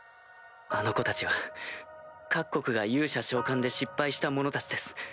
あの子たちは各国が勇者召喚で失敗した者たちです。